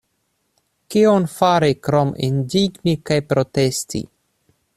Kion fari krom indigni kaj protesti?